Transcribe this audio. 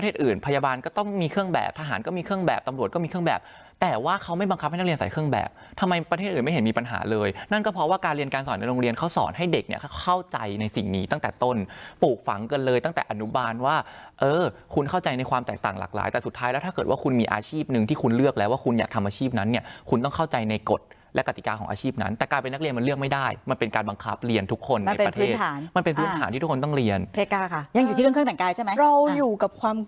ทหารก็มีเครื่องแบบตำรวจก็มีเครื่องแบบแต่ว่าเขาไม่บังคับให้นักเรียนใส่เครื่องแบบทำไมประเทศอื่นไม่เห็นมีปัญหาเลยนั่นก็เพราะว่าการเรียนการสอนในโรงเรียนเขาสอนให้เด็กเข้าใจในสิ่งนี้ตั้งแต่ต้นปลูกฝังกันเลยตั้งแต่อนุบาลว่าเออคุณเข้าใจในความแตกต่างหลากหลายแต่สุดท้ายแล้วถ้าเกิดว่าค